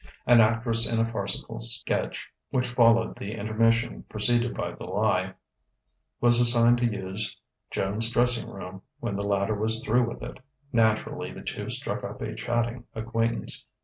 An actress in a farcical sketch, which followed the intermission preceded by "The Lie," was assigned to use Joan's dressing room when the latter was through with it. Naturally, the two struck up a chatting acquaintance.